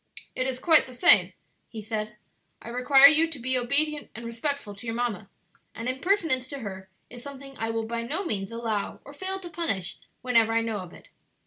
"It is quite the same," he said; "I require you to be obedient and respectful to your mamma; and impertinence to her is something I will by no means allow or fail to punish whenever I know of it.